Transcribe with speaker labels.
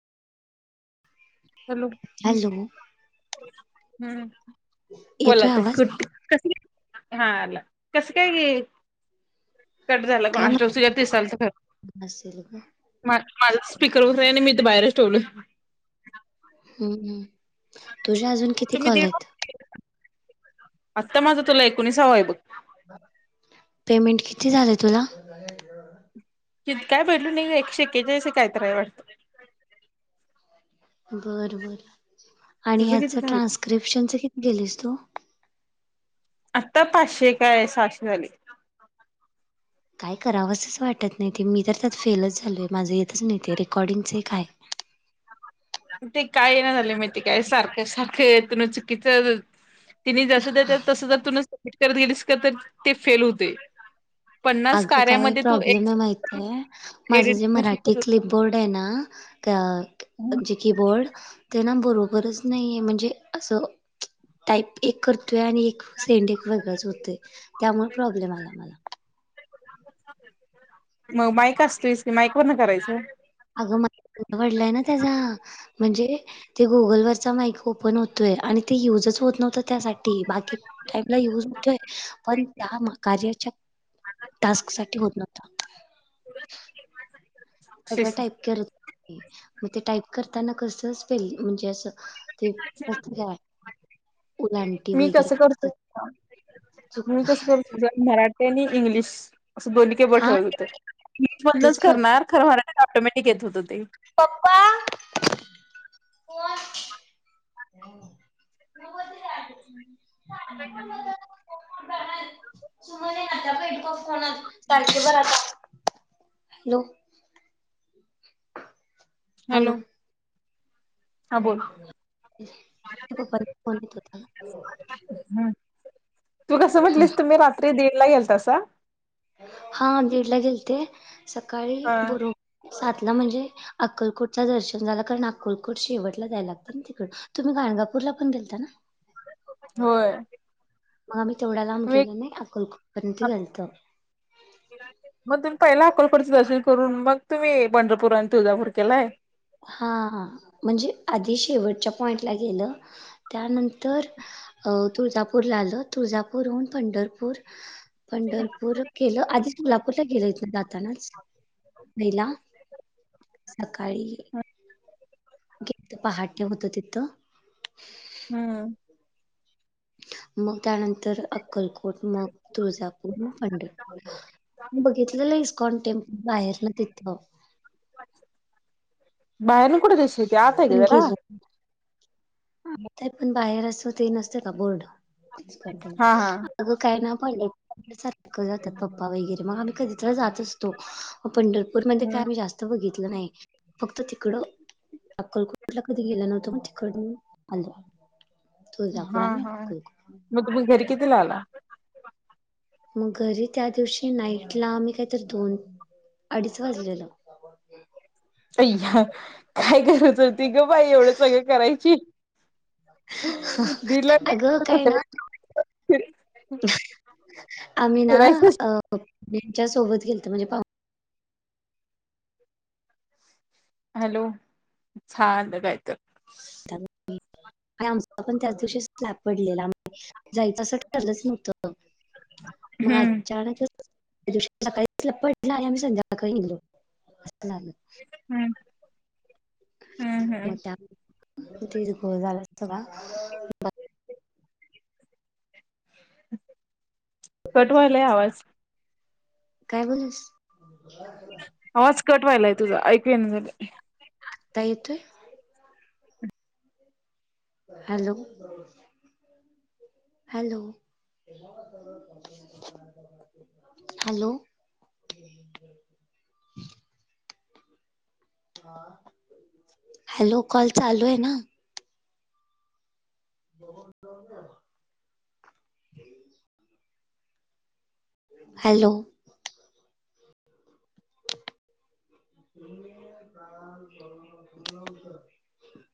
Speaker 1: Hello
Speaker 2: hello
Speaker 1: हम्म.
Speaker 2: येतोय
Speaker 1: बोलात
Speaker 2: आवाज
Speaker 1: कु्ट कस का हा कसं काय घे कट झाला
Speaker 2: काय
Speaker 1: कोणास
Speaker 2: माहित
Speaker 1: तेल तर खर
Speaker 2: नसेल ग
Speaker 1: माझ स्पीकर वगरे आणि मी तर बाहेरच ठेवल.
Speaker 2: हम्मम् तुझ्या अजून किती
Speaker 1: तुम्ही
Speaker 2: कॉल
Speaker 1: दीड
Speaker 2: आहेत.
Speaker 1: वाजता आत्ता माझा तुला एकोणीस हं आहे बघ.
Speaker 2: पेमेंट किती झालंय तुला
Speaker 1: काय बोललू नाही एक शेकेच्या कायतय वाटतं.
Speaker 2: बर बर आणि
Speaker 1: तुझं
Speaker 2: ह्याच
Speaker 1: किती झालं
Speaker 2: ट्रान्स्क्रिप्शन च किती केलेस तू?
Speaker 1: आता पाचशे काय सहाशे झाले.
Speaker 2: काय करावं असंच वाटत नाही ते मी तर त्यात फेलच झालो आहे माझं येतच नाही ते रेकॉर्डिंगचं काय.
Speaker 1: ते काय ना झाले माहिती काय सारखं सारखं येत न चुकीचं तिने जसं ने तस तस जर तु सबमिट करत गेलीस का तर ते फेल होते.
Speaker 2: अगं काही प्रॉब्लेम आहे
Speaker 1: एक
Speaker 2: माहितीये माझं
Speaker 1: एडिट
Speaker 2: जे मराठी क्लिप बोर्ड आहे ना त
Speaker 1: करण्या
Speaker 2: जे कीबोर्ड त्यांना बरोबरच नाही आहे म्हणजे असं टाईप एक करतोय आणि एक सेंड एक वेगळंच होतोय त्यामुळे प्रॉब्लेम आला मला.
Speaker 1: मग माईक असतोयच की माईक वर न करायचं.
Speaker 2: अगं मझ घडलंय ना त्याचा म्हणजे ते गुगलवररचा माईक ओपन होतोय आणि ते युजच होत नव्हतं त्यासाठी बाकी यू होतय पण त्या कार्यच्या टास्क साठी होत नव्हता. सगळं टाईप करत मग ते टाईप करताना कसच पेल म्हणजे असं. ते मस्त काय उलांटी
Speaker 1: मी
Speaker 2: वगैरे
Speaker 1: कसं करतो मी
Speaker 2: चुकता.
Speaker 1: कसं करतो मराठी आणि इंग्लिश. असं दोन केे ब
Speaker 2: हा
Speaker 1: ठवत होतं
Speaker 2: तेच
Speaker 1: मीच
Speaker 2: प्रॉब्लेम
Speaker 1: करणार खरं होणार ऑटोमॅटिक येत होत ते.
Speaker 2: पप्पां फॉन. [unintelligible]
Speaker 1: [unintelligible]
Speaker 2: [unintelligible] हॅलो.
Speaker 1: हॅलो. हा बोल
Speaker 2: पप्पांचा फोन येत होता
Speaker 1: हम्म. तू कसं म्हंटलीस, तुम्ही रात्री दिड ला गेलतासा?
Speaker 2: हा दीड ला गेलते. सकाळी
Speaker 1: हा
Speaker 2: बरो सात ला म्हणजे अक्कलकोटचा दर्शन झाला. कारण अक्कलकोट शेवटला जायला लागते ना तिकडे. तुम्ही गणगापूरला पण गेलता ना?
Speaker 1: व्हय.
Speaker 2: मग आम्ही तेवढ्या लांब गेलो नाही, अक्कलकोट पर्यंत गेलतो.
Speaker 1: [unintelligible] मग तुम्ही पहिला अक्कलकोटच दर्शन करून, मग तुम्ही पंढरपूर आणि तुळजापूर केलाय?
Speaker 2: हा म्हणजे आधी शेवटच्या पॉईंटला गेलं त्यानंतर अ -तुळजापूरला आलं. तुळजापूरहून पंढरपूर पंढरपूर केलं, आधी तुळजापूरला गेलं इथन जातानाच. पहिला. सकाळी
Speaker 1: हा.
Speaker 2: [unintelligible] पहाटे होतं तिथं.
Speaker 1: हम्म.
Speaker 2: मग त्यानंतर अक्कलकोट मग तुळजापूर, मग पंढरपूर. बघितलेलं इस्कॉन टेम्पल बाहेरन तिथ.
Speaker 1: बाहेर न कुठं दिसतय ते, आत आहे ग जरा.
Speaker 2: आताय पण बाहेर अस ते नसत का बोर्ड
Speaker 1: हा
Speaker 2: [unintelligible]
Speaker 1: हा
Speaker 2: अगं काय ना पंढरपुरात सारखं जातात पप्पा वगैरे. मग आम्ही कधी तर जात असतो. पंढरपूर पूरमध्ये काय
Speaker 1: हम्म
Speaker 2: आम्ही जास्त बघितलं नाही. फक्त तिकडं अक्कलकोटला कधी गेल नव्हतो, मग तिकडन आलो. तुळजापूर
Speaker 1: हा
Speaker 2: आणि
Speaker 1: हा.
Speaker 2: अक्कलकोट
Speaker 1: मग तुम्ही घरी कितीला आला?
Speaker 2: मग घरी त्या दिवशी नाईटला, आम्ही काहीतरी दोन अडीच वाजलेल.
Speaker 1: अय्या काय गरज होती ग बाई, एवढं सगळं करायची. दिल
Speaker 2: अगं काय ना
Speaker 1: [unintelligible]
Speaker 2: आम्ही ना
Speaker 1: फिरायचंच
Speaker 2: अ त्यांच्या सोबत गेलत म्हणजे पाव
Speaker 1: हॅलो, छानलं काय तर.
Speaker 2: [unintelligible] आणि आमचा पण त्याच दिवशी स्लॅप पडलेला. जायचं असं ठरलंच नव्हत. मग
Speaker 1: हम्म
Speaker 2: अचानक दुसऱ्या दिवशी सकाळी स्लॅप पडला आणि आम्ही संध्याकाळी निगलो अस झालं.
Speaker 1: हम्म. हम्म
Speaker 2: मग
Speaker 1: हम्म
Speaker 2: त्या तीच घोळ झाला सगळा.
Speaker 1: कट व्हायलाय आवाज.
Speaker 2: काय बोलिस?
Speaker 1: आवाज कट व्हायलाय तुझा, ऐकू येईना झालय.
Speaker 2: आता येतोय? Hello. Hello. Hello. [inaudible] Hello call चालूय ना? [unintelligible] हॅलो. [unintelligible]